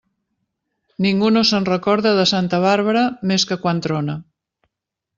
Ningú no se'n recorda de santa Bàrbara més que quan trona.